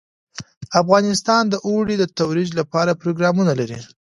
افغانستان د اوړي د ترویج لپاره پروګرامونه لري.